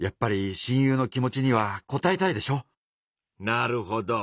なるほど。